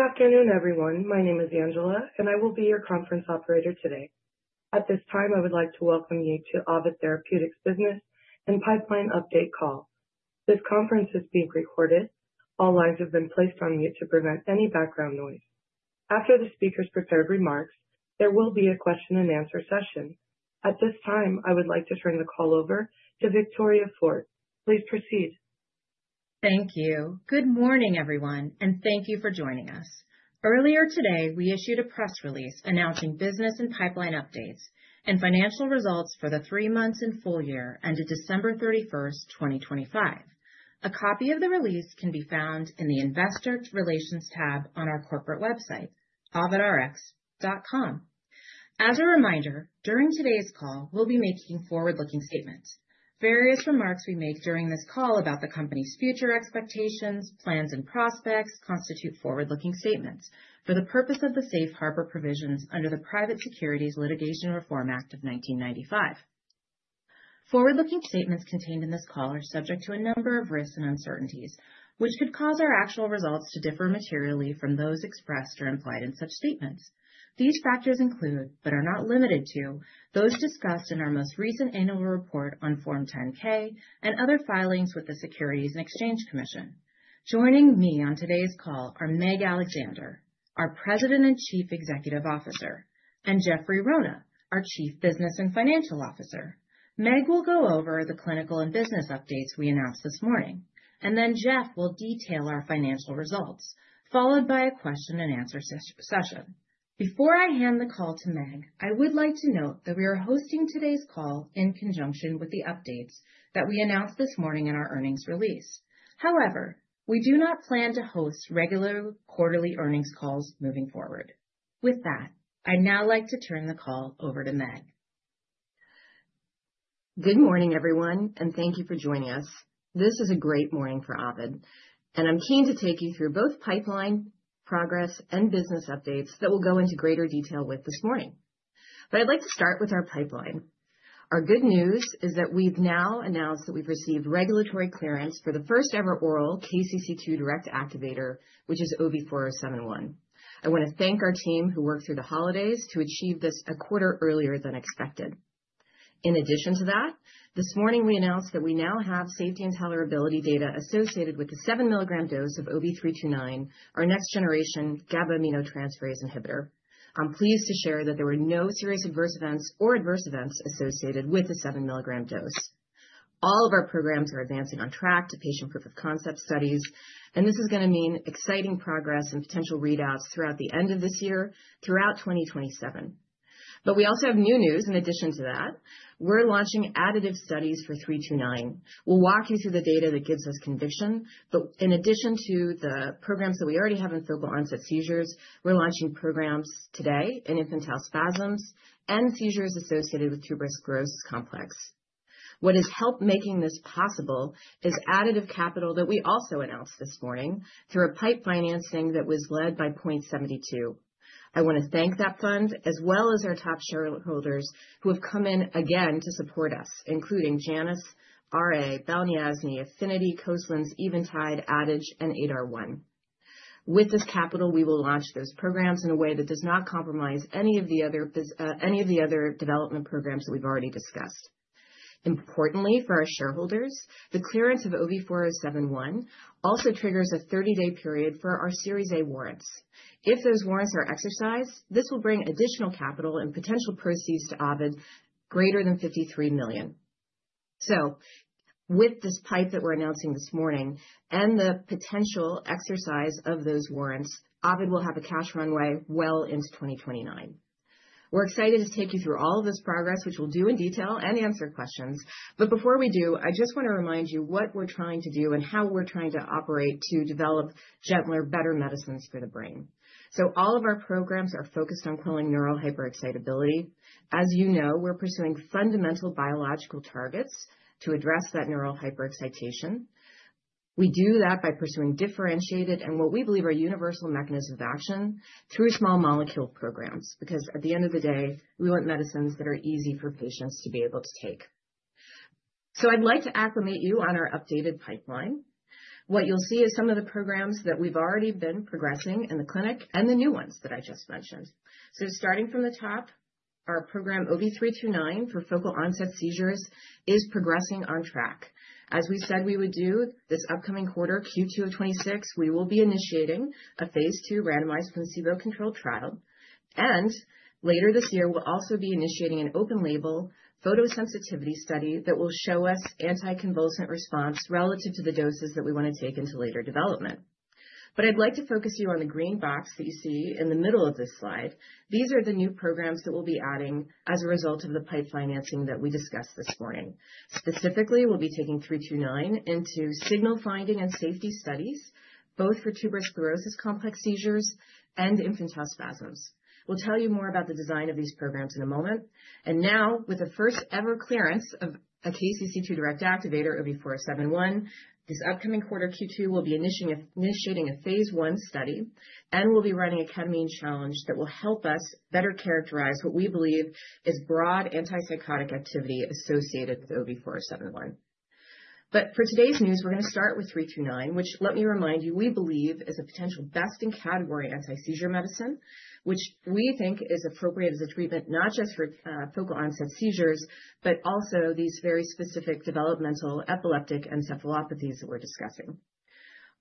Good afternoon, everyone. My name is Angela, and I will be your conference operator today. At this time, I would like to welcome you to Ovid Therapeutics Business and Pipeline Update Call. This conference is being recorded. All lines have been placed on mute to prevent any background noise. After the speakers' prepared remarks, there will be a question-and-answer session. At this time, I would like to turn the call over to Victoria Fort. Please proceed. Thank you. Good morning, everyone, and thank you for joining us. Earlier today, we issued a press release announcing business and pipeline updates and financial results for the three months and full year ended December 31, 2025. A copy of the release can be found in the Investor Relations tab on our corporate website, ovidrx.com. As a reminder, during today's call, we'll be making forward-looking statements. Various remarks we make during this call about the company's future expectations, plans, and prospects constitute forward-looking statements for the purpose of the Safe Harbor Provisions under the Private Securities Litigation Reform Act of 1995. Forward-looking statements contained in this call are subject to a number of risks and uncertainties, which could cause our actual results to differ materially from those expressed or implied in such statements. These factors include, but are not limited to, those discussed in our most recent annual report on Form 10-K and other filings with the Securities and Exchange Commission. Joining me on today's call are Meg Alexander, our President and Chief Executive Officer, and Jeffrey Rona, our Chief Business and Financial Officer. Meg will go over the clinical and business updates we announced this morning, and then Jeff will detail our financial results, followed by a question-and-answer session. Before I hand the call to Meg, I would like to note that we are hosting today's call in conjunction with the updates that we announced this morning in our earnings release. However, we do not plan to host regular quarterly earnings calls moving forward. With that, I'd now like to turn the call over to Meg. Good morning, everyone, and thank you for joining us. This is a great morning for Ovid, and I'm keen to take you through both pipeline progress and business updates that we'll go into greater detail with this morning. I'd like to start with our pipeline. Our good news is that we've now announced that we've received regulatory clearance for the first-ever oral KCC2 direct activator, which is OV4071. I want to thank our team who worked through the holidays to achieve this a quarter earlier than expected. In addition to that, this morning we announced that we now have safety and tolerability data associated with the 7 mg dose of OV329, our next-generation GABA aminotransferase inhibitor. I'm pleased to share that there were no serious adverse events or adverse events associated with the 7 mg dose. All of our programs are advancing on track to patient proof-of-concept studies, and this is gonna mean exciting progress and potential readouts throughout the end of this year, throughout 2027. We also have new news in addition to that. We're launching additional studies for 329. We'll walk you through the data that gives us conviction. In addition to the programs that we already have in focal onset seizures, we're launching programs today in infantile spasms and seizures associated with tuberous sclerosis complex. What has helped making this possible is additional capital that we also announced this morning through a PIPE financing that was led by Point72. I wanna thank that fund, as well as our top shareholders who have come in again to support us, including Janus, RA, Bellevue, Affinity, Coastland, Eventide, Adage, and ADAR1. With this capital, we will launch those programs in a way that does not compromise any of the other development programs that we've already discussed. Importantly, for our shareholders, the clearance of OV4071 also triggers a 30-day period for our Series A warrants. If those warrants are exercised, this will bring additional capital and potential proceeds to Ovid greater than $53 million. With this PIPE that we're announcing this morning and the potential exercise of those warrants, Ovid will have a cash runway well into 2029. We're excited to take you through all of this progress, which we'll do in detail and answer questions. Before we do, I just wanna remind you what we're trying to do and how we're trying to operate to develop gentler, better medicines for the brain. All of our programs are focused on controlling neural hyperexcitability. As you know, we're pursuing fundamental biological targets to address that neural hyperexcitability. We do that by pursuing differentiated and what we believe are universal mechanisms of action through small molecule programs. Because at the end of the day, we want medicines that are easy for patients to be able to take. I'd like to acquaint you on our updated pipeline. What you'll see is some of the programs that we've already been progressing in the clinic and the new ones that I just mentioned. Starting from the top, our program OV329 for focal onset seizures is progressing on track. As we said we would do this upcoming quarter, Q2 of 2026, we will be initiating a phase II randomized placebo-controlled trial. Later this year, we'll also be initiating an open-label photosensitivity study that will show us anticonvulsant response relative to the doses that we want to take into later development. I'd like to focus you on the green box that you see in the middle of this slide. These are the new programs that we'll be adding as a result of the PIPE financing that we discussed this morning. Specifically, we'll be taking OV329 into signal finding and safety studies, both for tuberous sclerosis complex seizures and infantile spasms. We'll tell you more about the design of these programs in a moment. Now, with the first-ever clearance of a KCC2 direct activator, OV4071, this upcoming quarter, Q2, we'll be initiating a phase I study, and we'll be running a ketamine challenge that will help us better characterize what we believe is broad antipsychotic activity associated with OV4071. For today's news, we're going to start with OV329, which let me remind you, we believe is a potential best-in-category anti-seizure medicine, which we think is appropriate as a treatment, not just for focal onset seizures, but also these very specific developmental epileptic encephalopathies that we're discussing.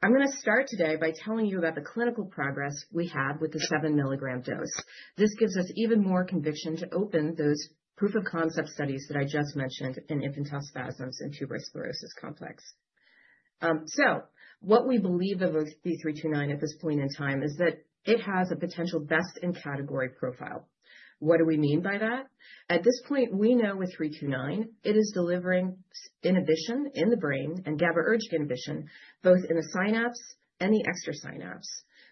I'm going to start today by telling you about the clinical progress we have with the 7 mg dose. This gives us even more conviction to open those proof-of-concept studies that I just mentioned in infantile spasms and tuberous sclerosis complex. What we believe of OV329 at this point in time is that it has a potential best-in-category profile. What do we mean by that? At this point, we know with 329 it is delivering inhibition in the brain and GABAergic inhibition both in the synapse and the extrasynaptic.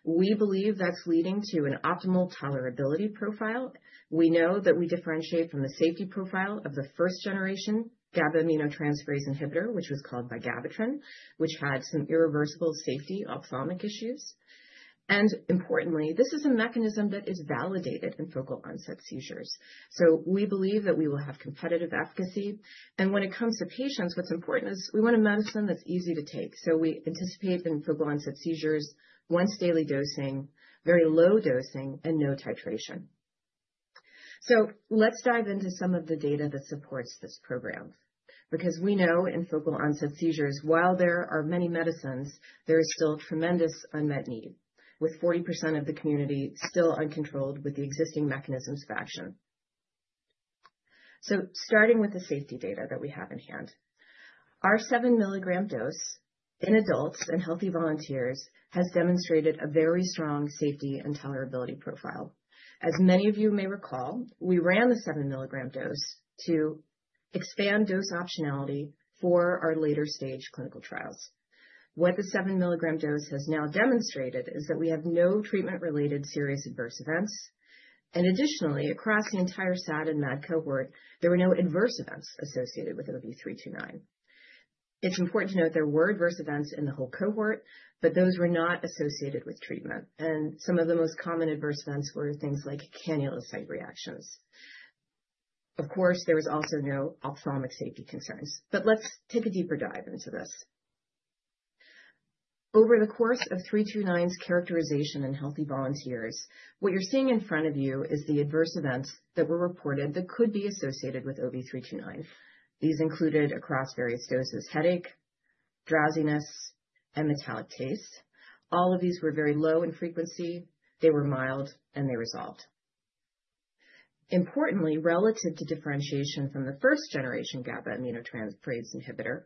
We believe that's leading to an optimal tolerability profile. We know that we differentiate from the safety profile of the first generation GABA aminotransferase inhibitor, which was called vigabatrin, which had some irreversible safety ophthalmic issues. Importantly, this is a mechanism that is validated in focal onset seizures. We believe that we will have competitive efficacy. When it comes to patients, what's important is we want a medicine that's easy to take. We anticipate in focal onset seizures, once daily dosing, very low dosing, and no titration. Let's dive into some of the data that supports this program, because we know in focal onset seizures, while there are many medicines, there is still tremendous unmet need, with 40% of the community still uncontrolled with the existing mechanisms of action. Starting with the safety data that we have in hand, our 7 mg dose in adults and healthy volunteers has demonstrated a very strong safety and tolerability profile. As many of you may recall, we ran the 7 mg dose to expand dose optionality for our later-stage clinical trials. What the 7 mg dose has now demonstrated is that we have no treatment-related serious adverse events. Additionally, across the entire SAD and MAD cohort, there were no adverse events associated with OV329. It's important to note there were adverse events in the whole cohort, but those were not associated with treatment. Some of the most common adverse events were things like cannula site reactions. Of course, there was also no ophthalmic safety concerns. Let's take a deeper dive into this. Over the course of 329's characterization in healthy volunteers, what you're seeing in front of you is the adverse events that were reported that could be associated with OV329. These included, across various doses, headache, drowsiness, and metallic taste. All of these were very low in frequency. They were mild, and they resolved. Importantly, relative to differentiation from the first generation GABA aminotransferase inhibitor,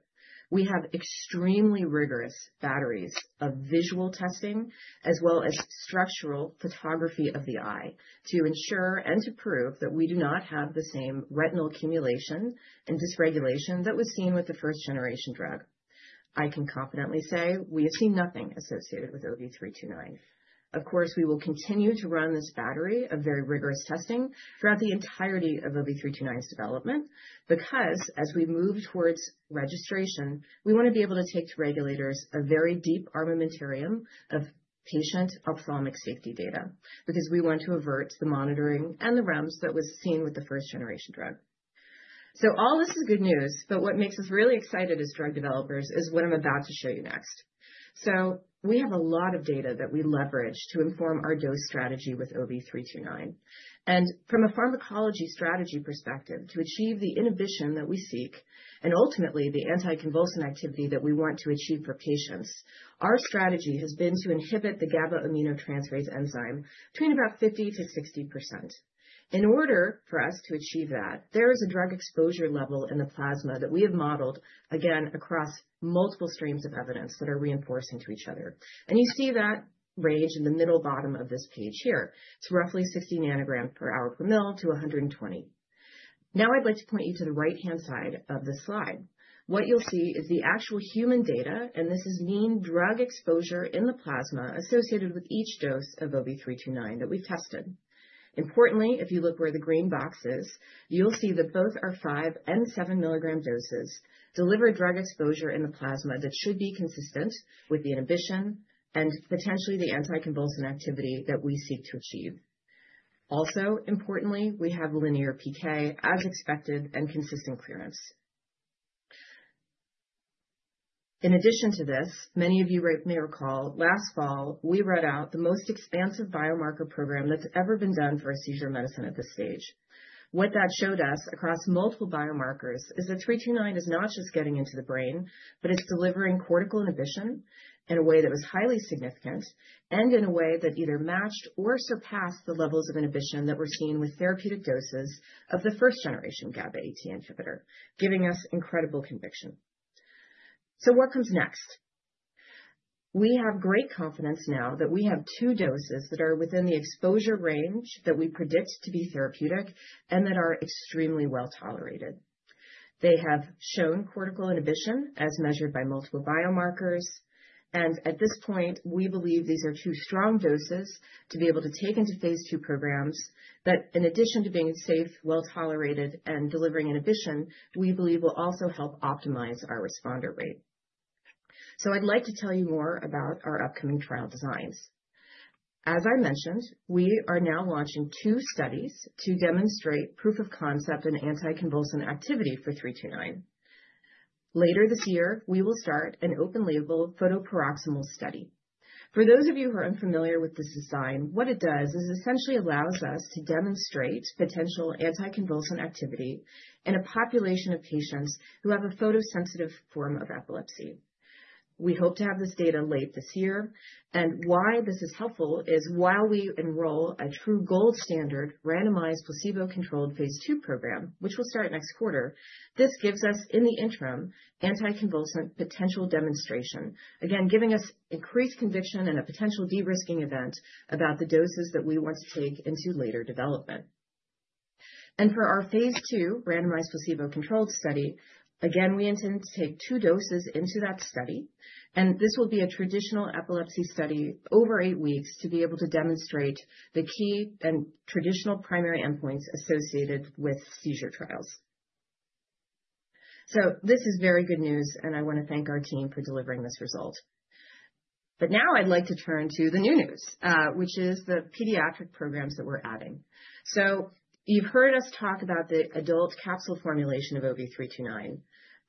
we have extremely rigorous batteries of visual testing as well as structural photography of the eye to ensure and to prove that we do not have the same retinal accumulation and dysregulation that was seen with the first generation drug. I can confidently say we have seen nothing associated with OV329. Of course, we will continue to run this battery of very rigorous testing throughout the entirety of OV329's development because as we move towards registration, we want to be able to take to regulators a very deep armamentarium of patient ophthalmic safety data, because we want to avert the monitoring and the REMS that was seen with the first generation drug. All this is good news, but what makes us really excited as drug developers is what I'm about to show you next. We have a lot of data that we leverage to inform our dose strategy with OV329. From a pharmacology strategy perspective, to achieve the inhibition that we seek and ultimately the anticonvulsant activity that we want to achieve for patients, our strategy has been to inhibit the GABA aminotransferase enzyme between about 50%-60%. In order for us to achieve that, there is a drug exposure level in the plasma that we have modeled, again, across multiple streams of evidence that are reinforcing to each other. You see that range in the middle bottom of this page here. It's roughly 60 ng per hour per ml to 120. Now I'd like to point you to the right-hand side of this slide. What you'll see is the actual human data, and this is mean drug exposure in the plasma associated with each dose of OV329 that we've tested. Importantly, if you look where the green box is, you'll see that both our 5- and 7 mg doses deliver drug exposure in the plasma that should be consistent with the inhibition and potentially the anticonvulsant activity that we seek to achieve. Also importantly, we have linear PK as expected and consistent clearance. In addition to this, many of you may recall last fall, we read out the most expansive biomarker program that's ever been done for a seizure medicine at this stage. What that showed us across multiple biomarkers is that OV329 is not just getting into the brain, but it's delivering cortical inhibition in a way that was highly significant and in a way that either matched or surpassed the levels of inhibition that were seen with therapeutic doses of the first generation GABA-AT inhibitor, giving us incredible conviction. What comes next? We have great confidence now that we have two doses that are within the exposure range that we predict to be therapeutic and that are extremely well-tolerated. They have shown cortical inhibition as measured by multiple biomarkers. At this point, we believe these are two strong doses to be able to take into phase II programs that in addition to being safe, well-tolerated, and delivering inhibition, we believe will also help optimize our responder rate. I'd like to tell you more about our upcoming trial designs. As I mentioned, we are now launching 2 studies to demonstrate proof of concept in anticonvulsant activity for three two nine. Later this year, we will start an open label photoparoxysmal study. For those of you who are unfamiliar with this design, what it does is essentially allows us to demonstrate potential anticonvulsant activity in a population of patients who have a photosensitive form of epilepsy. We hope to have this data late this year. Why this is helpful is while we enroll a true gold standard randomized placebo-controlled phase II program, which will start next quarter. This gives us, in the interim, anticonvulsant potential demonstration, again, giving us increased conviction and a potential de-risking event about the doses that we want to take into later development. For our phase II randomized placebo-controlled study, again, we intend to take two doses into that study, and this will be a traditional epilepsy study over 8 weeks to be able to demonstrate the key and traditional primary endpoints associated with seizure trials. This is very good news, and I want to thank our team for delivering this result. Now I'd like to turn to the new news, which is the pediatric programs that we're adding. You've heard us talk about the adult capsule formulation of OV329,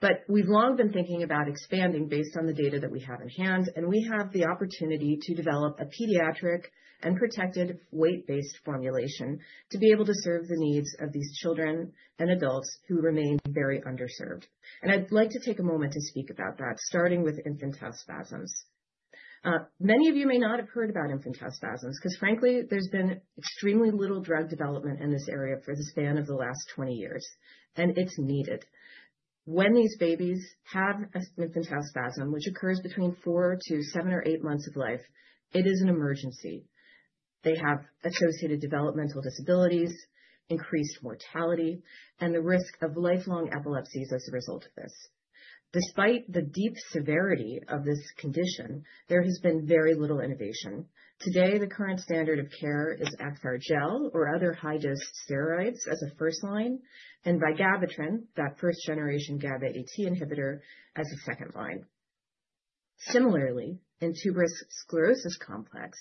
but we've long been thinking about expanding based on the data that we have in hand. We have the opportunity to develop a pediatric and protected weight-based formulation to be able to serve the needs of these children and adults who remain very underserved. I'd like to take a moment to speak about that, starting with infantile spasms. Many of you may not have heard about infantile spasms because frankly, there's been extremely little drug development in this area for the span of the last 20 years, and it's needed. When these babies have an infantile spasm, which occurs between four to seven or eight months of life, it is an emergency. They have associated developmental disabilities, increased mortality, and the risk of lifelong epilepsies as a result of this. Despite the deep severity of this condition, there has been very little innovation. Today, the current standard of care is Acthar Gel or other high-dose steroids as a first line, and vigabatrin, that first-generation GABAT inhibitor, as a second line. Similarly, in Tuberous Sclerosis Complex,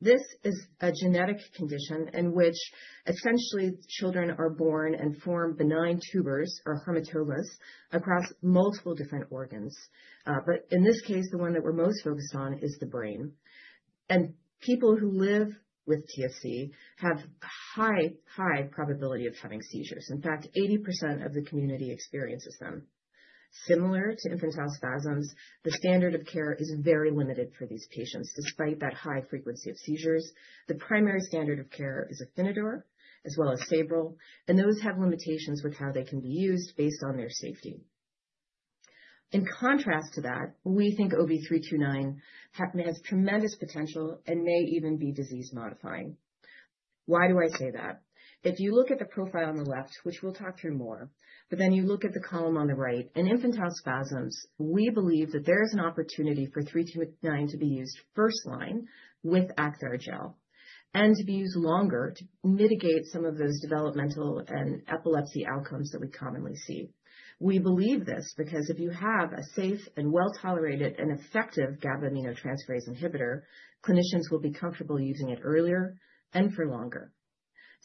this is a genetic condition in which essentially children are born and form benign tumors or hamartomas across multiple different organs. But in this case, the one that we're most focused on is the brain. People who live with TSC have high probability of having seizures. In fact, 80% of the community experiences them. Similar to infantile spasms, the standard of care is very limited for these patients. Despite that high frequency of seizures, the primary standard of care is Afinitor as well as Sabril, and those have limitations with how they can be used based on their safety. In contrast to that, we think OV329 has tremendous potential and may even be disease-modifying. Why do I say that? If you look at the profile on the left, which we'll talk through more, but then you look at the column on the right, in infantile spasms, we believe that there is an opportunity for 329 to be used first line with Acthar Gel and to be used longer to mitigate some of those developmental and epilepsy outcomes that we commonly see. We believe this because if you have a safe and well-tolerated and effective GABA aminotransferase inhibitor, clinicians will be comfortable using it earlier and for longer.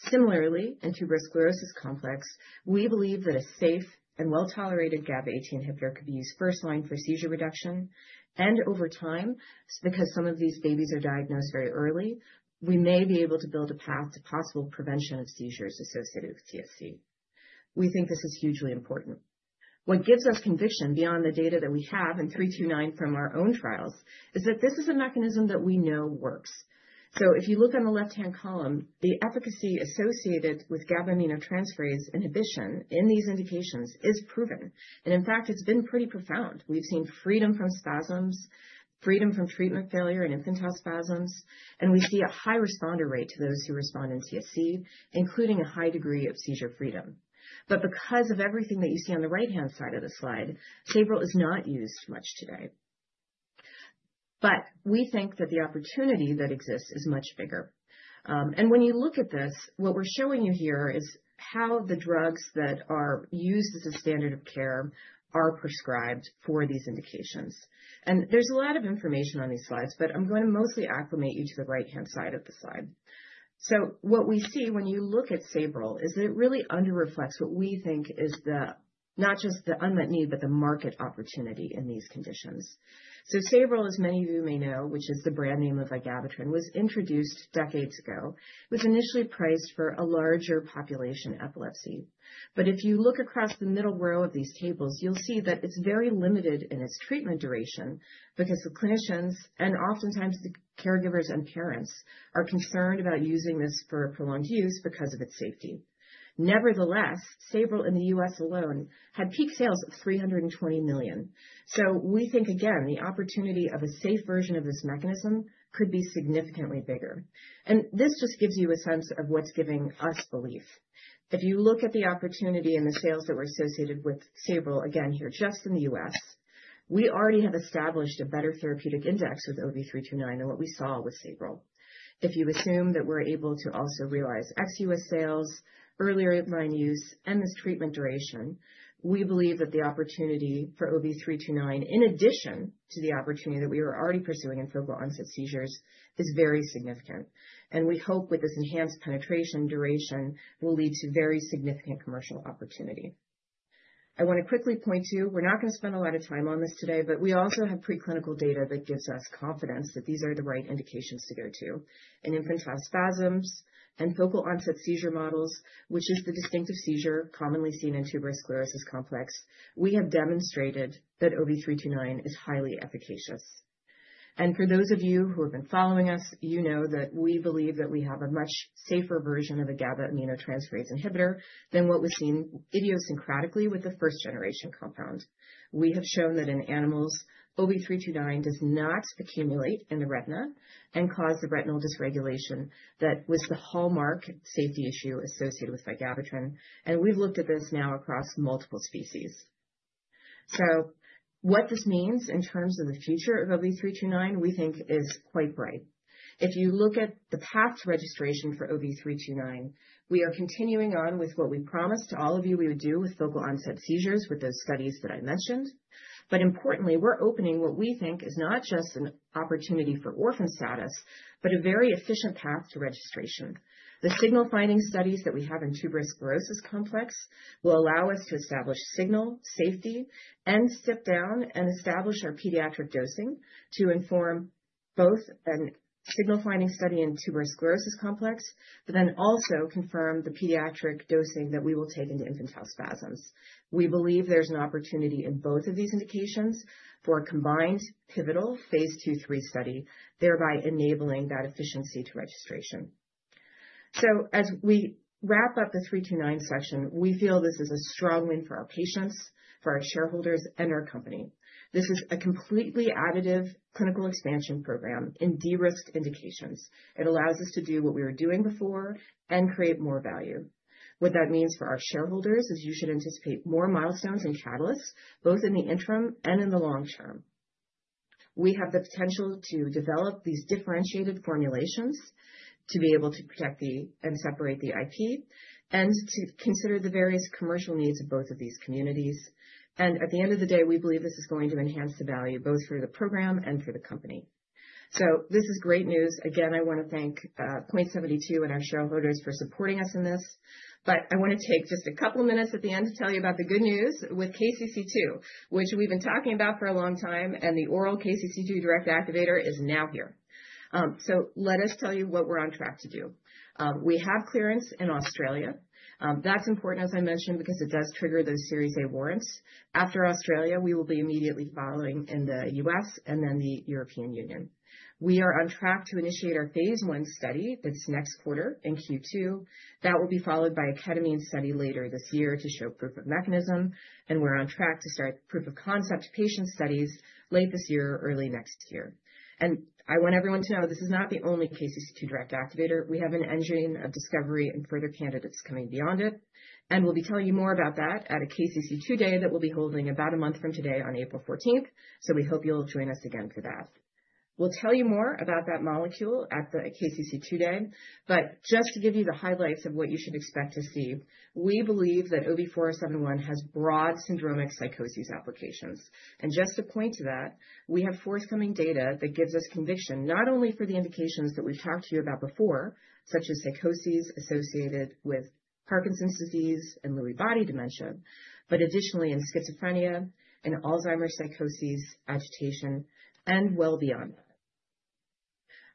Similarly, in Tuberous Sclerosis Complex, we believe that a safe and well-tolerated GABAT inhibitor could be used first line for seizure reduction. Over time, because some of these babies are diagnosed very early, we may be able to build a path to possible prevention of seizures associated with TSC. We think this is hugely important. What gives us conviction beyond the data that we have in 329 from our own trials is that this is a mechanism that we know works. If you look on the left-hand column, the efficacy associated with GABA aminotransferase inhibition in these indications is proven. In fact, it's been pretty profound. We've seen freedom from spasms, freedom from treatment failure in infantile spasms, and we see a high responder rate to those who respond in TSC, including a high degree of seizure freedom. Because of everything that you see on the right-hand side of the slide, Sabril is not used much today. We think that the opportunity that exists is much bigger. When you look at this, what we're showing you here is how the drugs that are used as a standard of care are prescribed for these indications. There's a lot of information on these slides, but I'm going to mostly acquaint you to the right-hand side of the slide. What we see when you look at Sabril is it really underreflects what we think is the, not just the unmet need, but the market opportunity in these conditions. Sabril, as many of you may know, which is the brand name of vigabatrin, was introduced decades ago. It was initially priced for a larger population epilepsy. If you look across the middle row of these tables, you'll see that it's very limited in its treatment duration because the clinicians, and oftentimes the caregivers and parents, are concerned about using this for prolonged use because of its safety. Nevertheless, Sabril in the U.S. alone had peak sales of $320 million. We think, again, the opportunity of a safe version of this mechanism could be significantly bigger. This just gives you a sense of what's giving us belief. If you look at the opportunity and the sales that were associated with Sabril, again here just in the U.S., we already have established a better therapeutic index with OV329 than what we saw with Sabril. If you assume that we're able to also realize ex-US sales, earlier in-line use, and this treatment duration, we believe that the opportunity for OV329, in addition to the opportunity that we are already pursuing in focal onset seizures, is very significant. We hope that this enhanced penetration duration will lead to very significant commercial opportunity. I want to quickly point to, we're not going to spend a lot of time on this today, but we also have preclinical data that gives us confidence that these are the right indications to go to. In infantile spasms and focal onset seizure models, which is the distinctive seizure commonly seen in Tuberous Sclerosis Complex. We have demonstrated that OV329 is highly efficacious. For those of you who have been following us, you know that we believe that we have a much safer version of a GABA aminotransferase inhibitor than what was seen idiosyncratically with the first generation compound. We have shown that in animals, OV329 does not accumulate in the retina and cause the retinal dysregulation that was the hallmark safety issue associated with vigabatrin. We've looked at this now across multiple species. What this means in terms of the future of OV329, we think is quite bright. If you look at the past registration for OV329, we are continuing on with what we promised to all of you we would do with focal onset seizures with those studies that I mentioned. Importantly, we're opening what we think is not just an opportunity for orphan status, but a very efficient path to registration. The signal finding studies that we have in tuberous sclerosis complex will allow us to establish signal, safety, and step down and establish our pediatric dosing to inform both a signal finding study in tuberous sclerosis complex, but then also confirm the pediatric dosing that we will take into infantile spasms. We believe there's an opportunity in both of these indications for a combined pivotal phase II, III study, thereby enabling that efficiency to registration. As we wrap up the 329 section, we feel this is a strong win for our patients, for our shareholders, and our company. This is a completely additive clinical expansion program in de-risked indications. It allows us to do what we were doing before and create more value. What that means for our shareholders is you should anticipate more milestones and catalysts, both in the interim and in the long term. We have the potential to develop these differentiated formulations to be able to protect and separate the IP and to consider the various commercial needs of both of these communities. At the end of the day, we believe this is going to enhance the value both for the program and for the company. This is great news. Again, I wanna thank Point72 and our shareholders for supporting us in this. I wanna take just a couple minutes at the end to tell you about the good news with KCC2, which we've been talking about for a long time, and the oral KCC2 direct activator is now here. Let us tell you what we're on track to do. We have clearance in Australia. That's important, as I mentioned, because it does trigger those Series A warrants. After Australia, we will be immediately following in the U.S. and then the European Union. We are on track to initiate our phase I study this next quarter in Q2. That will be followed by a ketamine study later this year to show proof of mechanism, and we're on track to start proof of concept patient studies late this year or early next year. I want everyone to know this is not the only KCC2 direct activator. We have an engine of discovery and further candidates coming beyond it, and we'll be telling you more about that at a KCC2 day that we'll be holding about a month from today on April 14th. We hope you'll join us again for that. We'll tell you more about that molecule at the KCC2 day. Just to give you the highlights of what you should expect to see, we believe that OV4071 has broad syndromic psychosis applications. Just to point to that, we have forthcoming data that gives us conviction not only for the indications that we've talked to you about before, such as psychosis associated with Parkinson's disease and Lewy body dementia, but additionally in schizophrenia and Alzheimer's psychosis, agitation, and well beyond.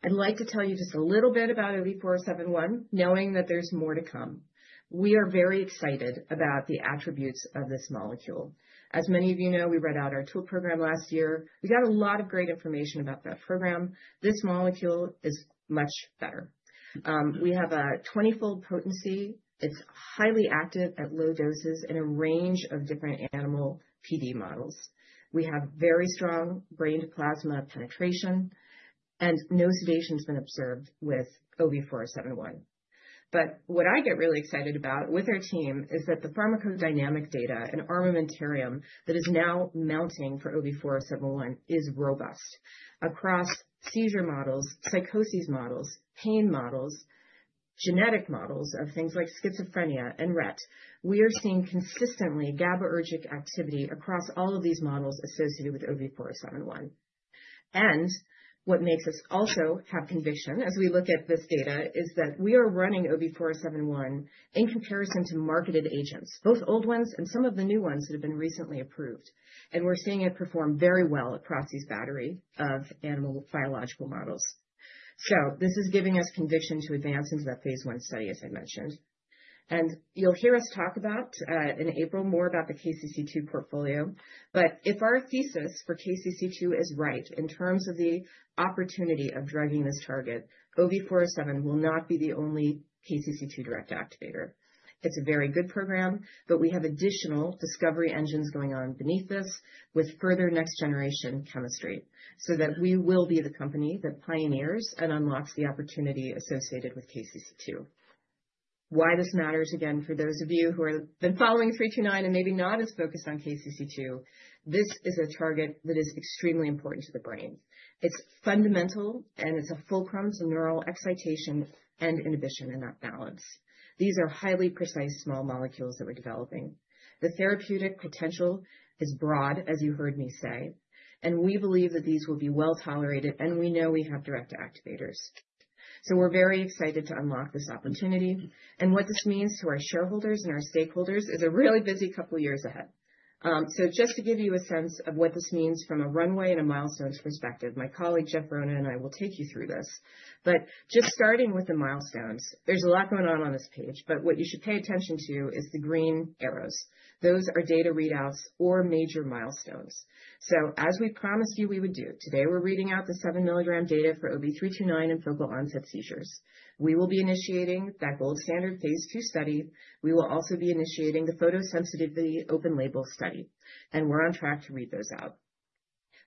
I'd like to tell you just a little bit about OV4071 knowing that there's more to come. We are very excited about the attributes of this molecule. As many of you know, we read out our tool program last year. We got a lot of great information about that program. This molecule is much better. We have a 20-fold potency. It's highly active at low doses in a range of different animal PD models. We have very strong brain to plasma penetration and no sedation's been observed with OV4071. What I get really excited about with our team is that the pharmacodynamic data and armamentarium that is now mounting for OV4071 is robust. Across seizure models, psychosis models, pain models, genetic models of things like schizophrenia and Rett, we are seeing consistently GABAergic activity across all of these models associated with OV4071. What makes us also have conviction as we look at this data is that we are running OV4071 in comparison to marketed agents, both old ones and some of the new ones that have been recently approved. We're seeing it perform very well across these battery of animal biological models. This is giving us conviction to advance into that phase I study, as I mentioned. You'll hear us talk about in April more about the KCC2 portfolio. If our thesis for KCC2 is right in terms of the opportunity of drugging this target, OV4071 will not be the only KCC2 direct activator. It's a very good program, but we have additional discovery engines going on beneath this with further next generation chemistry, so that we will be the company that pioneers and unlocks the opportunity associated with KCC2. Why this matters, again, for those of you who have been following OV329 and maybe not as focused on KCC2, this is a target that is extremely important to the brain. It's fundamental, and it's a fulcrum to neural excitation and inhibition in that balance. These are highly precise small molecules that we're developing. The therapeutic potential is broad, as you heard me say, and we believe that these will be well-tolerated, and we know we have direct activators. We're very excited to unlock this opportunity. What this means to our shareholders and our stakeholders is a really busy couple of years ahead. Just to give you a sense of what this means from a runway and a milestones perspective, my colleague, Jeffrey Rona, and I will take you through this. Just starting with the milestones, there's a lot going on this page, but what you should pay attention to is the green arrows. Those are data readouts or major milestones. As we promised you we would do, today we're reading out the 7 mg data for OV329 in focal onset seizures. We will be initiating that gold standard phase II study. We will also be initiating the photosensitivity open label study. We're on track to read those out.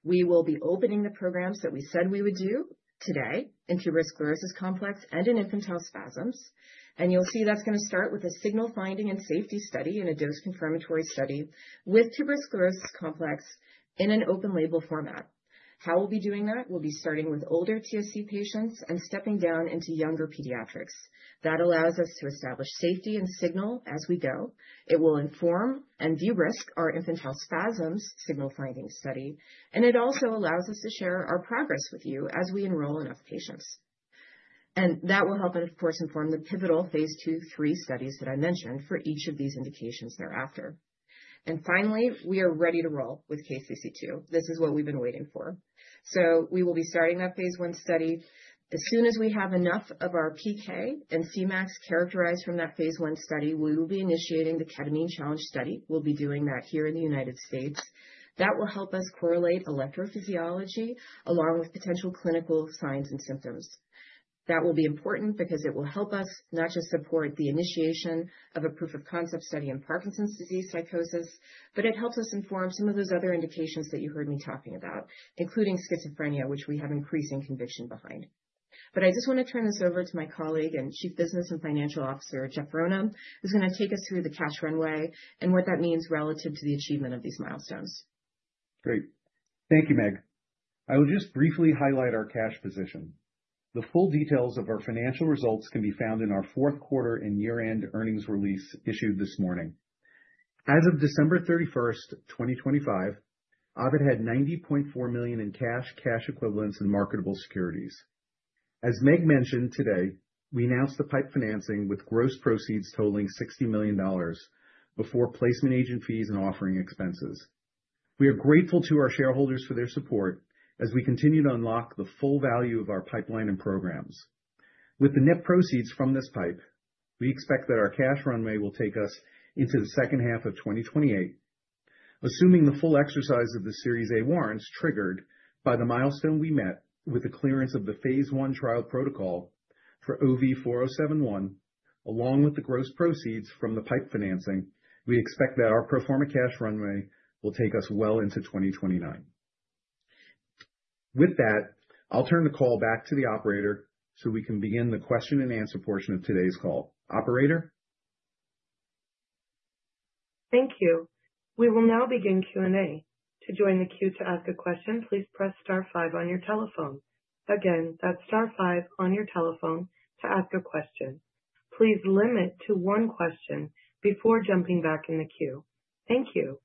We will be opening the programs that we said we would do today in Tuberous Sclerosis Complex and in infantile spasms. You'll see that's going to start with a signal finding and safety study and a dose confirmatory study with Tuberous Sclerosis Complex in an open label format. How we'll be doing that, we'll be starting with older TSC patients and stepping down into younger pediatrics. That allows us to establish safety and signal as we go. It will inform and de-risk our infantile spasms signal finding study. It also allows us to share our progress with you as we enroll enough patients. That will help, of course, inform the pivotal phase II, III studies that I mentioned for each of these indications thereafter. Finally, we are ready to roll with KCC2. This is what we've been waiting for. We will be starting that phase I study. As soon as we have enough of our PK and Cmax characterized from that phase I study, we will be initiating the ketamine challenge study. We'll be doing that here in the United States. That will help us correlate electrophysiology along with potential clinical signs and symptoms. That will be important because it will help us not just support the initiation of a proof of concept study in Parkinson's disease psychosis, but it helps us inform some of those other indications that you heard me talking about, including schizophrenia, which we have increasing conviction behind. I just want to turn this over to my colleague and Chief Business and Financial Officer, Jeffrey Rona, who's going to take us through the cash runway and what that means relative to the achievement of these milestones. Great. Thank you, Meg. I will just briefly highlight our cash position. The full details of our financial results can be found in our fourth quarter and year-end earnings release issued this morning. As of December 31, 2025, Ovid had $90.4 million in cash equivalents, and marketable securities. As Meg mentioned today, we announced the PIPE financing with gross proceeds totaling $60 million before placement agent fees and offering expenses. We are grateful to our shareholders for their support as we continue to unlock the full value of our pipeline and programs. With the net proceeds from this PIPE, we expect that our cash runway will take us into the second half of 2028. Assuming the full exercise of the Series A warrants triggered by the milestone we met with the clearance of the phase 1 trial protocol for OV4071, along with the gross proceeds from the PIPE financing, we expect that our pro forma cash runway will take us well into 2029. With that, I'll turn the call back to the operator, so we can begin the question-and-answer portion of today's call. Operator? Thank you. We will now begin Q&A. To join the queue to ask a question, please press star five on your telephone. Again, that's star five on your telephone to ask a question. Please limit to one question before jumping back in the queue. Thank you.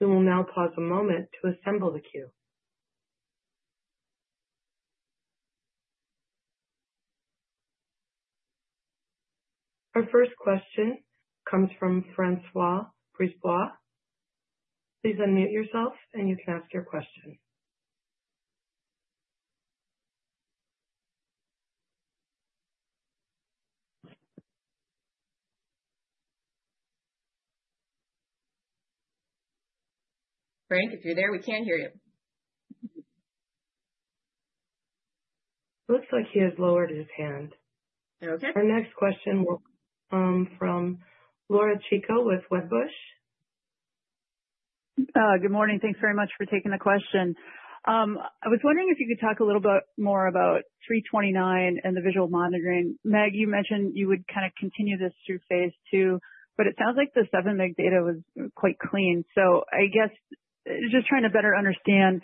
We will now pause a moment to assemble the queue. Our first question comes from François Brisebois. Please unmute yourself, and you can ask your question. Frank, if you're there, we can't hear you. Looks like he has lowered his hand. Okay. Our next question will come from Laura Chico with Wedbush. Good morning. Thanks very much for taking the question. I was wondering if you could talk a little bit more about 329 and the visual monitoring. Meg, you mentioned you would kind of continue this through phase II, but it sounds like the 7 mg data was quite clean. I guess just trying to better understand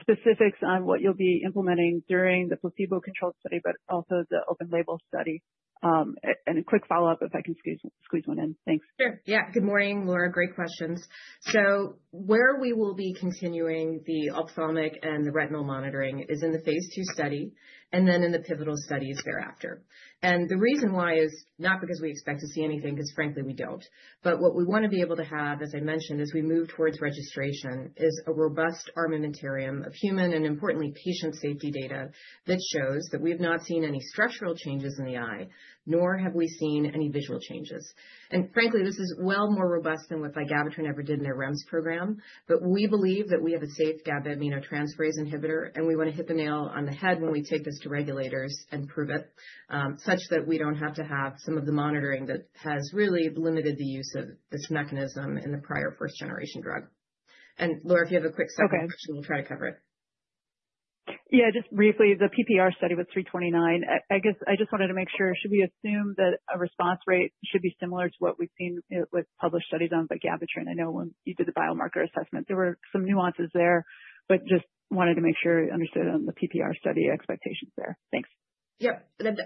specifics on what you'll be implementing during the placebo-controlled study, but also the open-label study. A quick follow-up, if I can squeeze one in. Thanks. Sure. Yeah. Good morning, Laura. Great questions. Where we will be continuing the optic and the retinal monitoring is in the phase II study and then in the pivotal studies thereafter. The reason why is not because we expect to see anything, because frankly, we don't. What we want to be able to have, as I mentioned, as we move towards registration, is a robust armamentarium of human and importantly, patient safety data that shows that we have not seen any structural changes in the eye, nor have we seen any visual changes. Frankly, this is well more robust than what vigabatrin ever did in their REMS program. We believe that we have a safe GABA aminotransferase inhibitor, and we want to hit the nail on the head when we take this to regulators and prove it, such that we don't have to have some of the monitoring that has really limited the use of this mechanism in the prior first-generation drug. Laura, if you have a quick second question? Okay. We'll try to cover it. Yeah, just briefly, the PPR study with OV329. I guess I just wanted to make sure, should we assume that a response rate should be similar to what we've seen with published studies on vigabatrin? I know when you did the biomarker assessment, there were some nuances there, but just wanted to make sure I understood on the PPR study expectations there. Thanks. Yeah.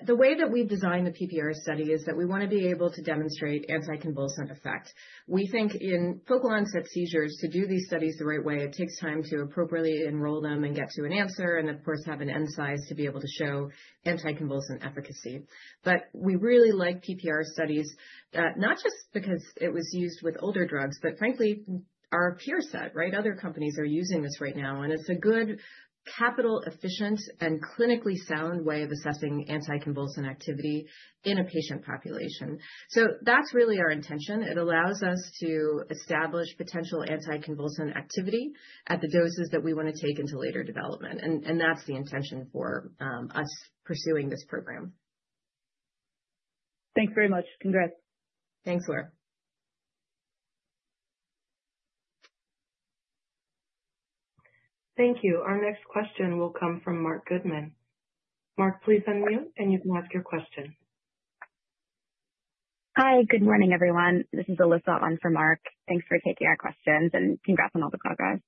The way that we've designed the PPR study is that we want to be able to demonstrate anticonvulsant effect. We think in focal onset seizures, to do these studies the right way, it takes time to appropriately enroll them and get to an answer and of course, have an N size to be able to show anticonvulsant efficacy. We really like PPR studies, not just because it was used with older drugs, but frankly, our peer set, right? Other companies are using this right now, and it's a good capital efficient and clinically sound way of assessing anticonvulsant activity in a patient population. That's really our intention. It allows us to establish potential anticonvulsant activity at the doses that we want to take into later development. That's the intention for us pursuing this program. Thanks very much. Congrats. Thanks, Laura. Thank you. Our next question will come from Marc Goodman. Marc, please unmute and you can ask your question. Hi. Good morning, everyone. This is Alyssa on for Mark. Thanks for taking our questions and congrats on all the progress.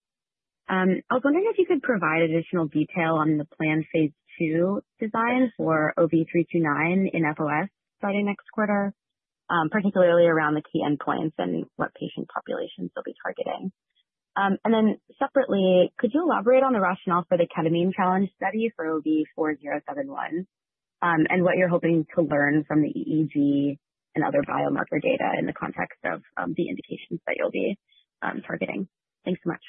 I was wondering if you could provide additional detail on the planned phase two design for OV329 in FOS starting next quarter, particularly around the key endpoints and what patient populations you'll be targeting. Then separately, could you elaborate on the rationale for the ketamine challenge study for OV4071, and what you're hoping to learn from the EEG and other biomarker data in the context of, the indications that you'll be targeting? Thanks so much.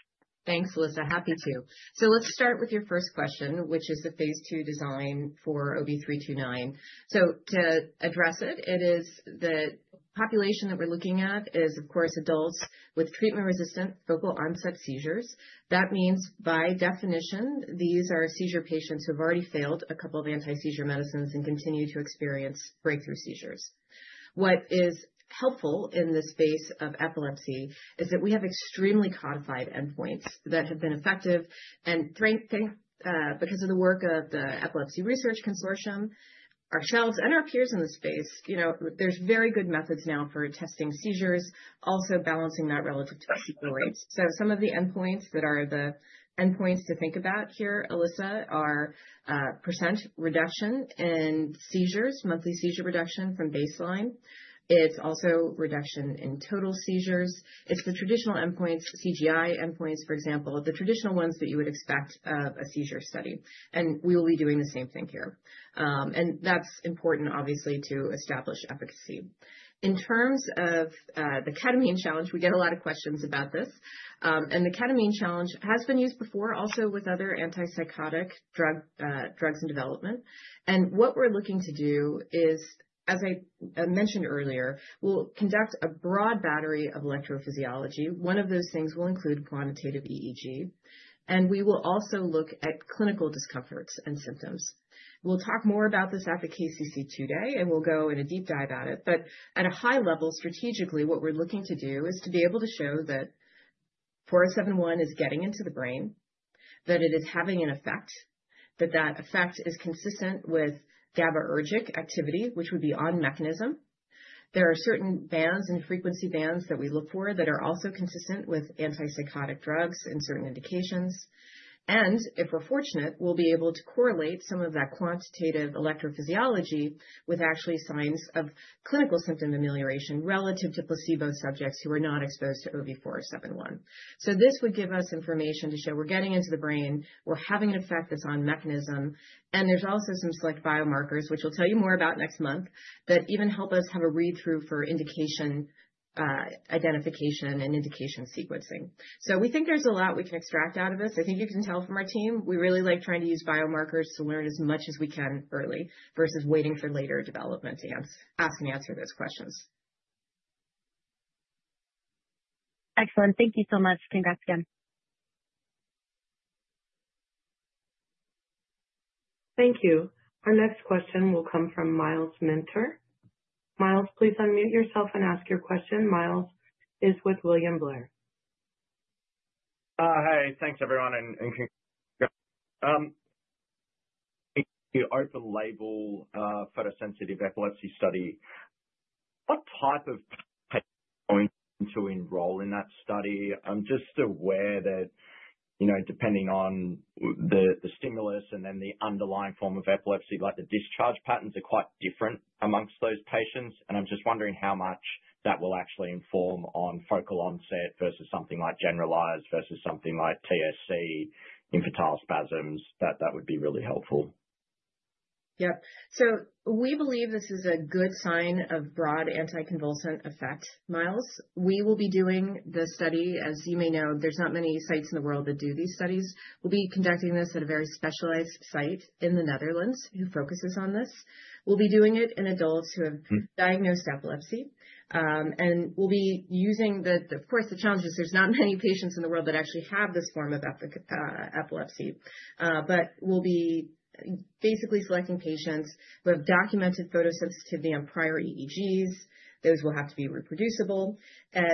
Thanks, Alyssa. Happy to. Let's start with your first question, which is the phase II design for OV329. To address it is the population that we're looking at is of course, adults with treatment-resistant focal onset seizures. That means by definition, these are seizure patients who've already failed a couple of anti-seizure medicines and continue to experience breakthrough seizures. What is helpful in the space of epilepsy is that we have extremely codified endpoints that have been effective and strengthened, because of the work of the Epilepsy Research Consortium, ourselves and our peers in the space. You know, there's very good methods now for testing seizures, also balancing that relative to placebo rates. Some of the endpoints that are the endpoints to think about here, Alyssa, are, percent reduction in seizures, monthly seizure reduction from baseline. It's also reduction in total seizures. It's the traditional endpoints, CGI endpoints, for example, the traditional ones that you would expect of a seizure study. We will be doing the same thing here. That's important obviously to establish efficacy. In terms of the ketamine challenge, we get a lot of questions about this. The ketamine challenge has been used before also with other antipsychotic drugs in development. What we're looking to do is, as I mentioned earlier, we'll conduct a broad battery of electrophysiology. One of those things will include quantitative EEG, and we will also look at clinical discomforts and symptoms. We'll talk more about this at the KCC2 Day, and we'll go in a deep dive at it. At a high level, strategically what we're looking to do is to be able to show that OV4071 is getting into the brain, that it is having an effect, that that effect is consistent with GABAergic activity, which would be on mechanism. There are certain bands and frequency bands that we look for that are also consistent with antipsychotic drugs in certain indications. If we're fortunate, we'll be able to correlate some of that quantitative electrophysiology with actual signs of clinical symptom amelioration relative to placebo subjects who are not exposed to OV4071. This would give us information to show we're getting into the brain, we're having an effect that's on mechanism. There's also some select biomarkers which we'll tell you more about next month, that even help us have a read-through for indication identification and indication sequencing. We think there's a lot we can extract out of this. I think you can tell from our team we really like trying to use biomarkers to learn as much as we can early versus waiting for later development to ask and answer those questions. Excellent. Thank you so much. Congrats again. Thank you. Our next question will come from Myles Minter. Myles, please unmute yourself and ask your question. Myles is with William Blair. The open label photosensitive epilepsy study. What type of patient going to enroll in that study? I'm just aware that, you know, depending on the stimulus and then the underlying form of epilepsy, like the discharge patterns are quite different amongst those patients. I'm just wondering how much that will actually inform on focal onset versus something like generalized versus something like TSC infantile spasms. That would be really helpful. Yep. We believe this is a good sign of broad anticonvulsant effect, Miles. We will be doing the study. As you may know, there's not many sites in the world that do these studies. We'll be conducting this at a very specialized site in the Netherlands who focuses on this. We'll be doing it in adults who have diagnosed epilepsy, and we'll be using the. Of course, the challenge is there's not many patients in the world that actually have this form of epilepsy. But we'll be basically selecting patients who have documented photosensitivity on prior EEGs. Those will have to be reproducible.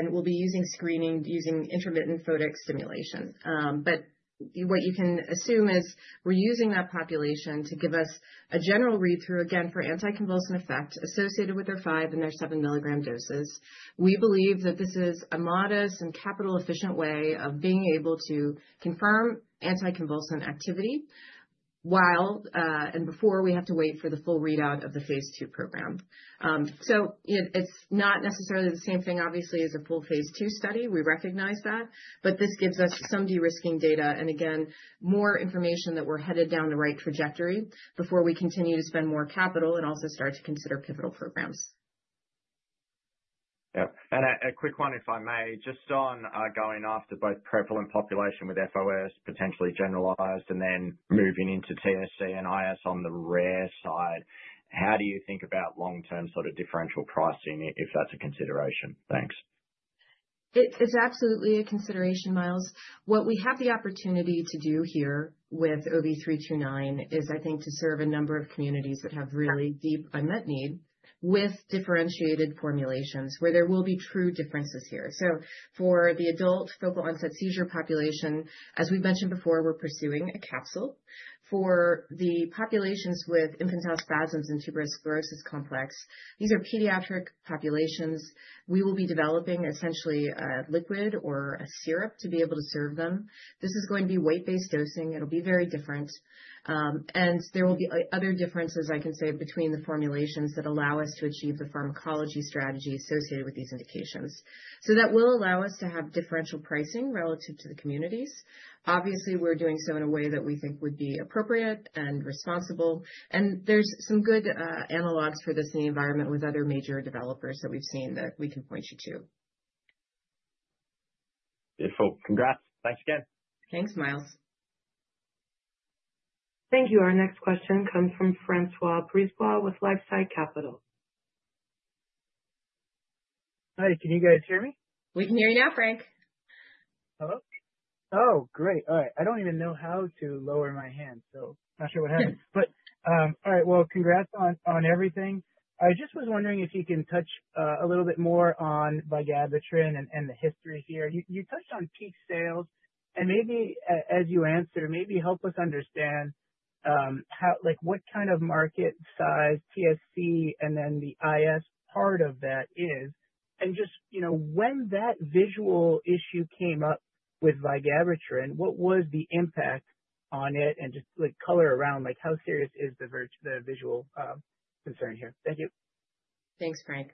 We'll be using screening using intermittent photic stimulation. What you can assume is we're using that population to give us a general read-through, again, for anticonvulsant effect associated with their 5 and 7 mg doses. We believe that this is a modest and capital efficient way of being able to confirm anticonvulsant activity while, and before we have to wait for the full readout of the phase II program. It, it's not necessarily the same thing, obviously, as a full phase II study. We recognize that. This gives us some de-risking data and again, more information that we're headed down the right trajectory before we continue to spend more capital and also start to consider pivotal programs. Yeah. A quick one if I may, just on going after both prevalent population with FOS potentially generalized and then moving into TSC and IS on the rare side, how do you think about long-term sort of differential pricing, if that's a consideration? Thanks. It's absolutely a consideration, Miles. What we have the opportunity to do here with OV329 is, I think, to serve a number of communities that have really deep unmet need with differentiated formulations, where there will be true differences here. For the adult focal onset seizure population, as we've mentioned before, we're pursuing a capsule. For the populations with infantile spasms and tuberous sclerosis complex, these are pediatric populations. We will be developing essentially a liquid or a syrup to be able to serve them. This is going to be weight-based dosing. It'll be very different. There will be other differences I can say between the formulations that allow us to achieve the pharmacology strategy associated with these indications. That will allow us to have differential pricing relative to the communities. Obviously, we're doing so in a way that we think would be appropriate and responsible, and there's some good analogs for this in the environment with other major developers that we've seen that we can point you to. Beautiful. Congrats. Thanks again. Thanks, Myles. Thank you. Our next question comes from François Brisebois with LifeSci Capital. Hi. Can you guys hear me? We can hear you now, François. Hello? Oh, great. All right. I don't even know how to lower my hand, so not sure what happened. All right, well, congrats on everything. I just was wondering if you can touch a little bit more on vigabatrin and the history here. You touched on peak sales, and maybe as you answer, maybe help us understand how like what kind of market size TSC and then the IS part of that is, and just, you know, when that visual issue came up with vigabatrin, what was the impact on it? Just, like, color around, like how serious is the visual concern here? Thank you. Thanks, Frank.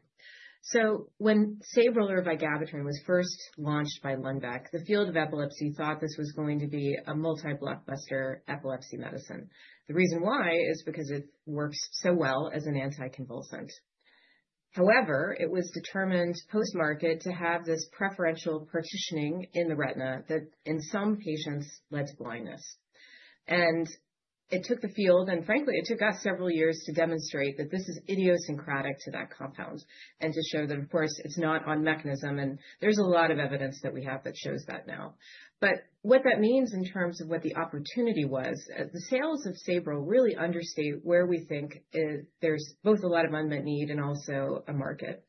When Sabril or vigabatrin was first launched by Lundbeck, the field of epilepsy thought this was going to be a multi-blockbuster epilepsy medicine. The reason why is because it works so well as an anticonvulsant. However, it was determined post-market to have this preferential partitioning in the retina that in some patients led to blindness. It took the field, and frankly, it took us several years to demonstrate that this is idiosyncratic to that compound and to show that, of course, it's not on mechanism. There's a lot of evidence that we have that shows that now. What that means in terms of what the opportunity was, the sales of Sabril really understate where we think there's both a lot of unmet need and also a market.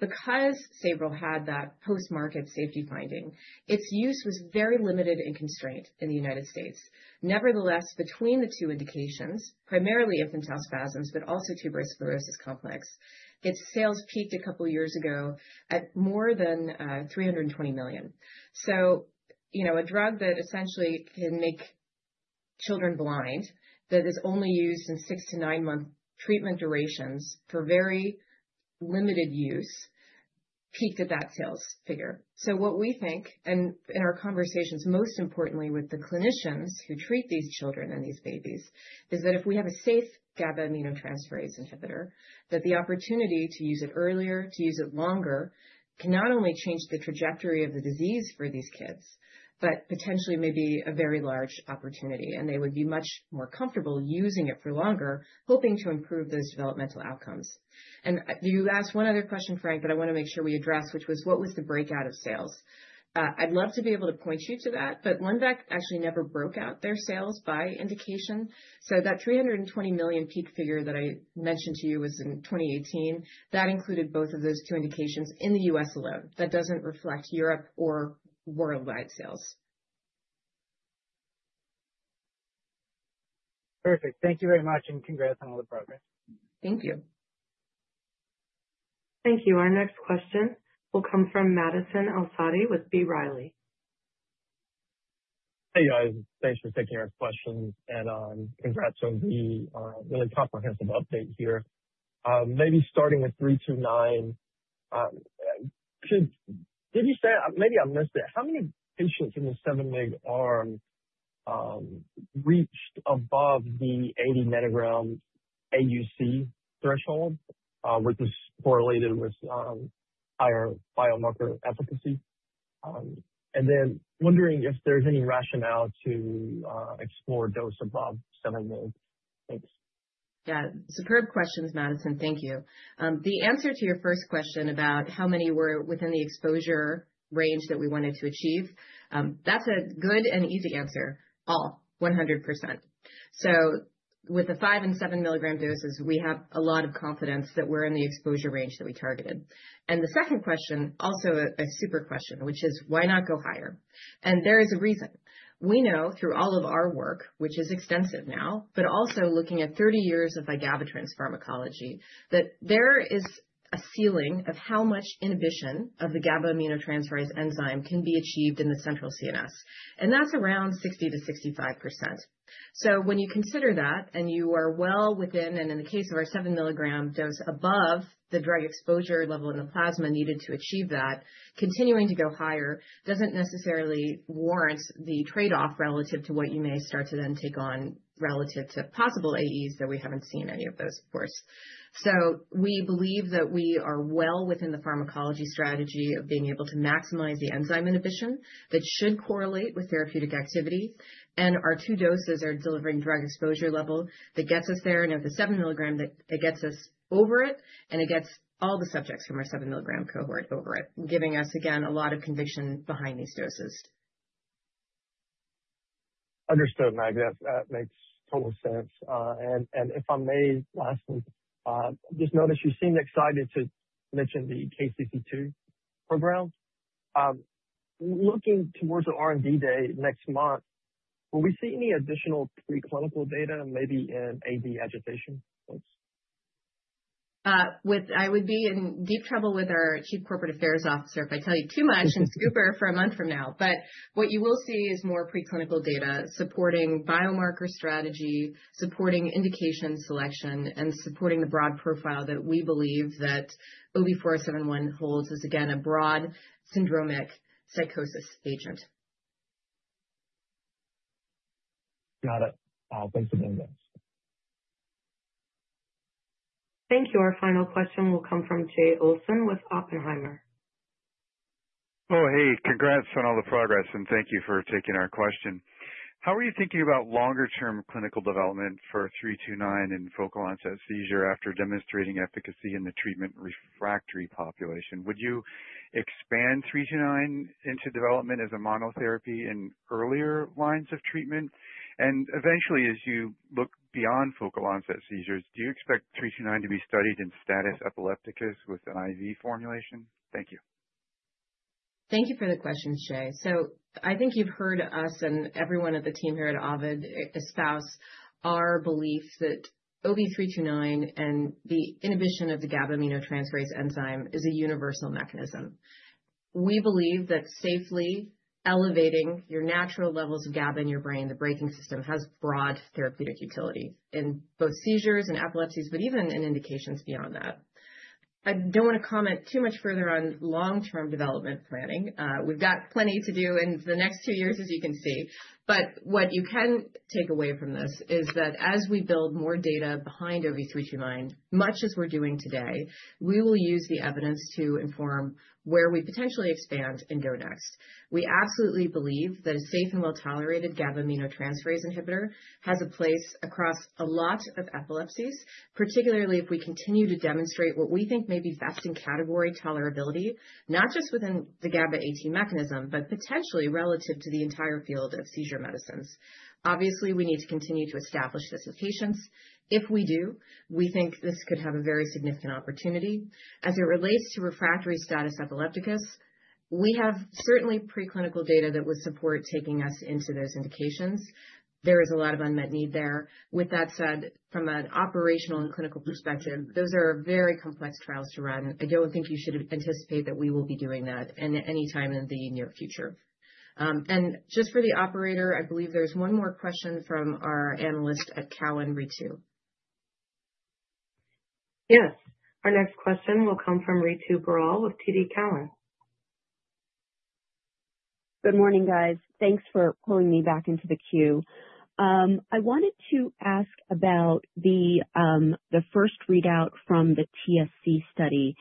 Because Sabril had that post-market safety finding, its use was very limited and constrained in the United States. Nevertheless, between the two indications, primarily infantile spasms, but also tuberous sclerosis complex, its sales peaked a couple of years ago at more than $320 million. You know, a drug that essentially can make children blind, that is only used in six- to nine-month treatment durations for very limited use, peaked at that sales figure. What we think, and in our conversations, most importantly with the clinicians who treat these children and these babies, is that if we have a safe GABA aminotransferase inhibitor, that the opportunity to use it earlier, to use it longer, can not only change the trajectory of the disease for these kids, but potentially may be a very large opportunity, and they would be much more comfortable using it for longer, hoping to improve those developmental outcomes. You asked one other question, François, that I wanna make sure we address, which was what was the breakout of sales. I'd love to be able to point you to that, but Lundbeck actually never broke out their sales by indication. That $320 million peak figure that I mentioned to you was in 2018. That included both of those two indications in the U.S. alone. That doesn't reflect Europe or worldwide sales. Perfect. Thank you very much, and congrats on all the progress. Thank you. Thank you. Our next question will come from Madison El-Saadi with B. Riley. Hey, guys. Thanks for taking our questions. Congrats on the really comprehensive update here. Maybe starting with OV329. Did you say, maybe I missed it, how many patients in the 7 mg arm reached above the 80 nanograms AUC threshold, which is correlated with higher biomarker efficacy? Wondering if there's any rationale to explore dose above 7 mg. Thanks. Yeah. Superb questions, Madison. Thank you. The answer to your first question about how many were within the exposure range that we wanted to achieve, that's a good and easy answer. All, 100%. With the 5- and 7 mg doses, we have a lot of confidence that we're in the exposure range that we targeted. The second question, also a super question, which is why not go higher? There is a reason. We know through all of our work, which is extensive now, but also looking at 30 years of vigabatrin's pharmacology, that there is a ceiling of how much inhibition of the GABA aminotransferase enzyme can be achieved in the central CNS, and that's around 60%-65%. When you consider that and you are well within, and in the case of our 7 mg dose, above the drug exposure level in the plasma needed to achieve that, continuing to go higher doesn't necessarily warrant the trade-off relative to what you may start to then take on relative to possible AEs, though we haven't seen any of those, of course. We believe that we are well within the pharmacology strategy of being able to maximize the enzyme inhibition that should correlate with therapeutic activity. Our two doses are delivering drug exposure level that gets us there and of the 7 mg that gets us over it and it gets all the subjects from our 7 mg cohort over it, giving us again a lot of conviction behind these doses. Understood, Meg. That makes total sense. If I may, lastly, I just noticed you seemed excited to mention the KCC2 program. Looking towards the R&D day next month, will we see any additional pre-clinical data, maybe in AD agitation, please? I would be in deep trouble with our chief corporate affairs officer if I tell you too much and scoop her for a month from now. What you will see is more pre-clinical data supporting biomarker strategy, supporting indication selection, and supporting the broad profile that we believe that OV4071 holds is, again, a broad syndromic psychosis agent. Got it. Thanks for doing this. Thank you. Our final question will come from Jay Olson with Oppenheimer. Oh, hey, congrats on all the progress, and thank you for taking our question. How are you thinking about longer-term clinical development for three-two-nine in focal onset seizure after demonstrating efficacy in the treatment refractory population? Would you expand three-two-nine into development as a monotherapy in earlier lines of treatment? Eventually, as you look beyond focal onset seizures, do you expect three-two-nine to be studied in status epilepticus with an IV formulation? Thank you. Thank you for the question, Jay. I think you've heard us and everyone at the team here at Ovid espouse our belief that OV329 and the inhibition of the GABA aminotransferase enzyme is a universal mechanism. We believe that safely elevating your natural levels of GABA in your brain, the braking system, has broad therapeutic utility in both seizures and epilepsies, but even in indications beyond that. I don't want to comment too much further on long-term development planning. We've got plenty to do in the next two years, as you can see. What you can take away from this is that as we build more data behind OV329, much as we're doing today, we will use the evidence to inform where we potentially expand and go next. We absolutely believe that a safe and well-tolerated GABA aminotransferase inhibitor has a place across a lot of epilepsies, particularly if we continue to demonstrate what we think may be best in category tolerability, not just within the GABA-A mechanism, but potentially relative to the entire field of seizure medicines. Obviously, we need to continue to establish this with patients. If we do, we think this could have a very significant opportunity. As it relates to refractory status epilepticus, we have certainly pre-clinical data that would support taking us into those indications. There is a lot of unmet need there. With that said, from an operational and clinical perspective, those are very complex trials to run. I don't think you should anticipate that we will be doing that in any time in the near future. Just for the operator, I believe there's one more question from our analyst at TD Cowen, Ritu. Yes. Our next question will come from Ritu Baral with TD Cowen. Good morning, guys. Thanks for pulling me back into the queue. I wanted to ask about the first readout from the TSC study.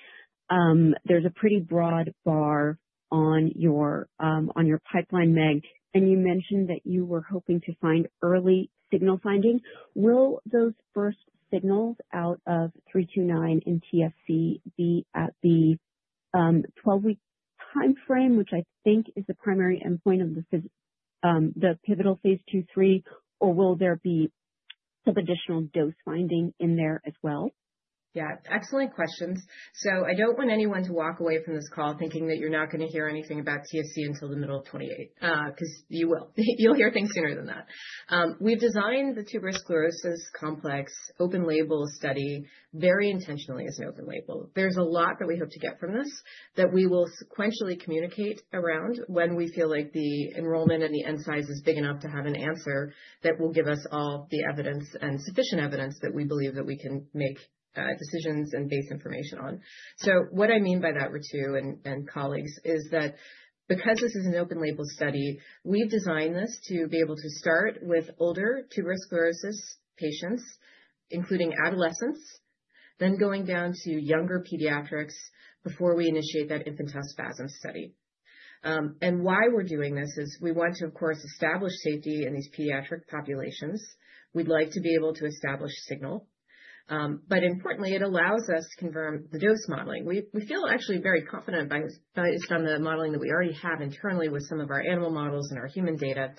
There's a pretty broad bar on your pipeline, Meg, and you mentioned that you were hoping to find early signal findings. Will those first signals out of 329 in TSC be at the 12-week timeframe, which I think is the primary endpoint of the pivotal phase II-III, or will there be some additional dose-finding in there as well? Yeah, excellent questions. I don't want anyone to walk away from this call thinking that you're not going to hear anything about TSC until the middle of 2028, 'cause you will. You'll hear things sooner than that. We've designed the tuberous sclerosis complex open label study very intentionally as an open label. There's a lot that we hope to get from this that we will sequentially communicate around when we feel like the enrollment and the N size is big enough to have an answer that will give us all the evidence and sufficient evidence that we believe that we can make decisions and base information on. What I mean by that, Ritu and colleagues, is that because this is an open label study, we've designed this to be able to start with older tuberous sclerosis patients, including adolescents, then going down to younger pediatrics before we initiate that infantile spasm study. Why we're doing this is we want to, of course, establish safety in these pediatric populations. We'd like to be able to establish signal. Importantly, it allows us to confirm the dose modeling. We feel actually very confident based on the modeling that we already have internally with some of our animal models and our human data.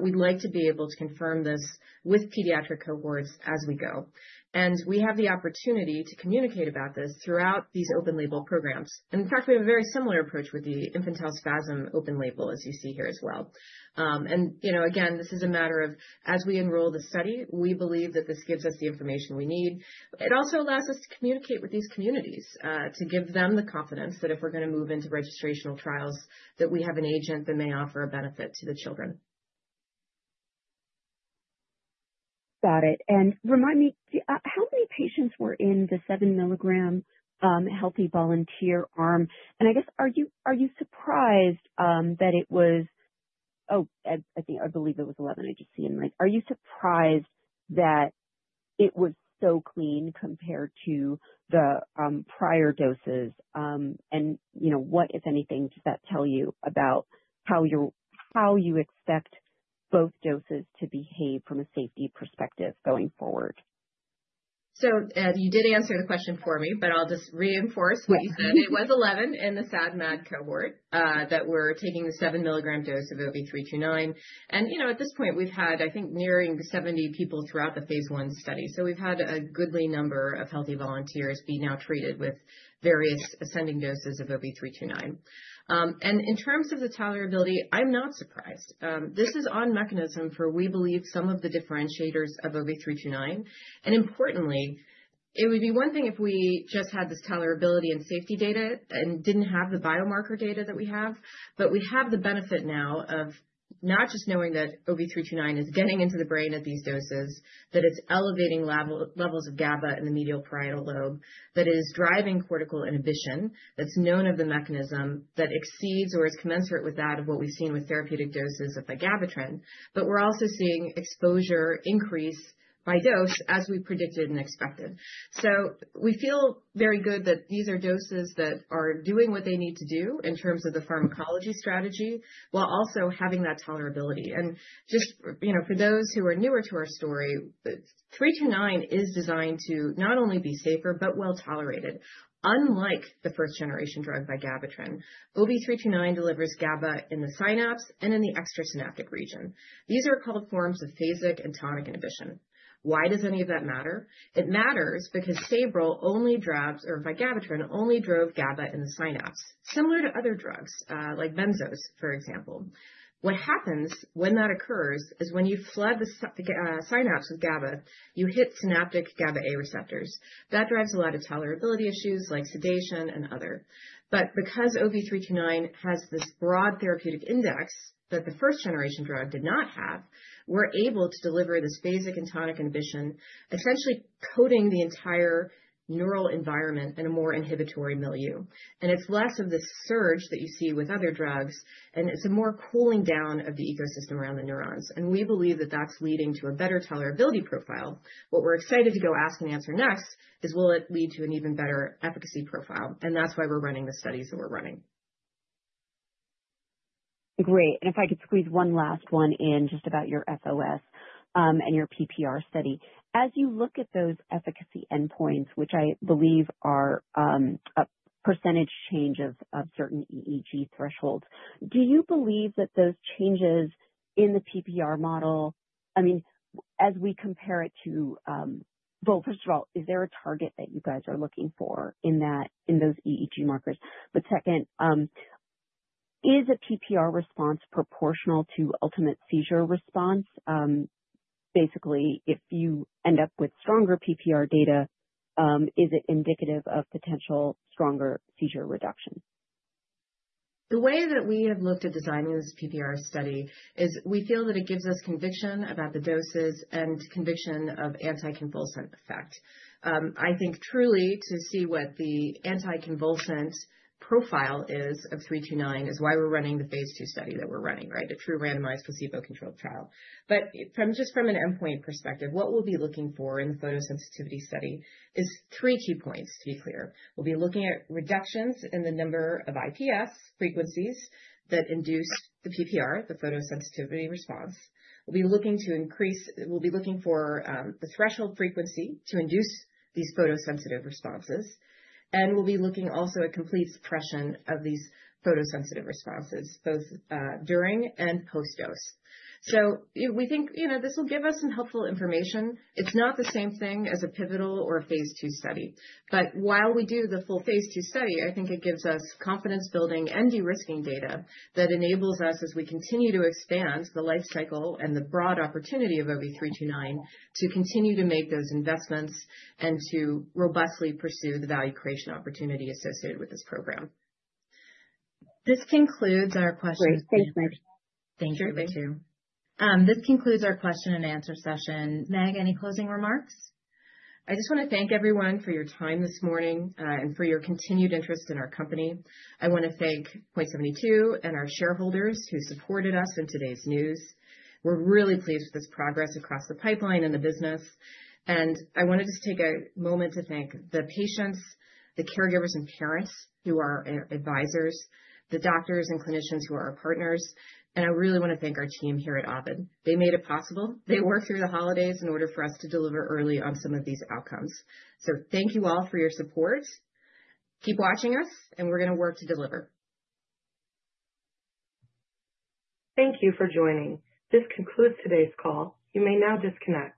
We'd like to be able to confirm this with pediatric cohorts as we go. We have the opportunity to communicate about this throughout these open label programs. In fact, we have a very similar approach with the infantile spasm open-label, as you see here as well. You know, again, this is a matter of as we enroll the study, we believe that this gives us the information we need. It also allows us to communicate with these communities, to give them the confidence that if we're going to move into registrational trials, that we have an agent that may offer a benefit to the children. Got it. Remind me how many patients were in the 7 mg healthy volunteer arm? Oh, I think I believe it was 11. Are you surprised that it was so clean compared to the prior doses? You know, what, if anything, does that tell you about how you expect both doses to behave from a safety perspective going forward? You did answer the question for me, but I'll just reinforce what you said. It was 11 in the SAD/MAD cohort that were taking the 7 mg dose of OV329. You know, at this point, we've had, I think, nearing 70 people throughout the phase I study. We've had a goodly number of healthy volunteers be now treated with various ascending doses of OV329. In terms of the tolerability, I'm not surprised. This is on mechanism for we believe some of the differentiators of OV329. Importantly, it would be one thing if we just had this tolerability and safety data and didn't have the biomarker data that we have. We have the benefit now of not just knowing that OV329 is getting into the brain at these doses, that it's elevating levels of GABA in the medial parietal lobe, that it is driving cortical inhibition that's known to be the mechanism that exceeds or is commensurate with that of what we've seen with therapeutic doses of vigabatrin. We're also seeing exposure increase by dose as we predicted and expected. We feel very good that these are doses that are doing what they need to do in terms of the pharmacology strategy while also having that tolerability. Just, you know, for those who are newer to our story, 329 is designed to not only be safer but well-tolerated. Unlike the first generation drug vigabatrin, OV329 delivers GABA in the synapse and in the extrasynaptic region. These are called forms of phasic and tonic inhibition. Why does any of that matter? It matters because Sabril only drives or vigabatrin only drove GABA in the synapse. Similar to other drugs, like benzodiazepines, for example. What happens when that occurs is when you flood the synapse with GABA, you hit synaptic GABA-A receptors. That drives a lot of tolerability issues like sedation and other. But because OV329 has this broad therapeutic index that the first generation drug did not have, we're able to deliver this phasic and tonic inhibition, essentially coating the entire neural environment in a more inhibitory milieu. It's less of this surge that you see with other drugs, and it's a more cooling down of the ecosystem around the neurons. We believe that that's leading to a better tolerability profile. What we're excited to go ask and answer next is will it lead to an even better efficacy profile? That's why we're running the studies that we're running. Great. If I could squeeze one last one in just about your FOS and your PPR study. As you look at those efficacy endpoints, which I believe are a percentage change of certain EEG thresholds, do you believe that those changes in the PPR model, I mean, as we compare it to. Well, first of all, is there a target that you guys are looking for in those EEG markers? Second, is a PPR response proportional to ultimate seizure response? Basically if you end up with stronger PPR data, is it indicative of potential stronger seizure reduction? The way that we have looked at designing this PPR study is we feel that it gives us conviction about the doses and conviction of anticonvulsant effect. I think truly to see what the anticonvulsant profile is of OV329 is why we're running the phase II study that we're running, right? A true randomized placebo-controlled trial. But just from an endpoint perspective, what we'll be looking for in photosensitivity study is three key points to be clear. We'll be looking at reductions in the number of IPS frequencies that induce the PPR, the photosensitivity response. We'll be looking for the threshold frequency to induce these photosensitive responses, and we'll be looking also at complete suppression of these photosensitive responses, both during and post-dose. We think, you know, this will give us some helpful information. It's not the same thing as a pivotal or a phase II study. While we do the full phase 2 study, I think it gives us confidence-building and de-risking data that enables us as we continue to expand the life cycle and the broad opportunity of OV329 to continue to make those investments and to robustly pursue the value creation opportunity associated with this program. This concludes our question. Great. Thank you. Thank you. Sure thing. This concludes our question and answer session. Meg, any closing remarks? I just wanna thank everyone for your time this morning and for your continued interest in our company. I wanna thank Point72 and our shareholders who supported us in today's news. We're really pleased with this progress across the pipeline and the business, and I wanna just take a moment to thank the patients, the caregivers and parents who are advisors, the doctors and clinicians who are our partners, and I really wanna thank our team here at Ovid. They made it possible. They worked through the holidays in order for us to deliver early on some of these outcomes. Thank you all for your support. Keep watching us, and we're gonna work to deliver. Thank you for joining. This concludes today's call. You may now disconnect.